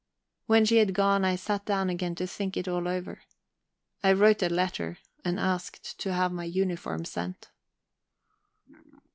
When she had gone, I sat down again to think it all over. I wrote a letter, and asked to have my uniform sent.